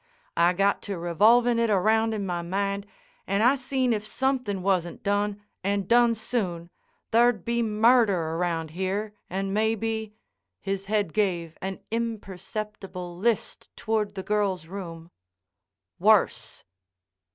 I got to revolving it around in my mind and I seen if somethin' wasn't done, and done soon, there'd be murder around here and maybe"—his head gave an imperceptible list toward the girl's room—"worse."